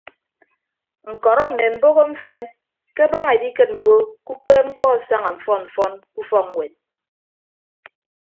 Ñkọrọ mme mboho mfen ke abaña edikịt mbo ke ukpeepmkpọ asaña mfọn mfọn ke ufọkñwet.